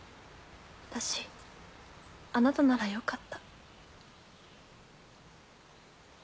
私あなたならよかった。